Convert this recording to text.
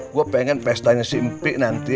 gue pengen pestanya simpi nanti